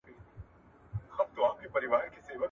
مېوې په ژمي کي نه خرابیږي.